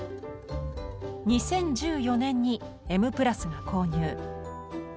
２０１４年に「Ｍ＋」が購入。